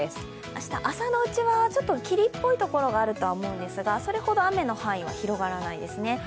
明日、朝のうちは霧っぽいところはあると思うんですが、それほど雨の範囲は広がらないですね。